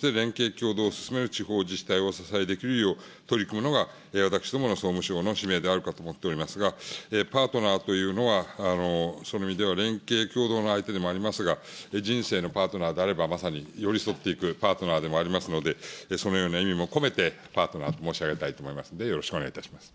きょうどうを進める地方自治体をお支えできるように取り組んでいくことが私ども総務省の使命であるかと思っておりますが、パートナーというのは、その意味では連携、きょうどうの相手でもありますが、人生のパートナーであれば、まさに寄り添っていくパートナーでもありますので、そのような意味も込めて、パートナーと申し上げたいと思いますので、よろしくお願いいたします。